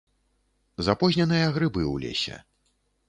Запозненыя грыбы ў лесе.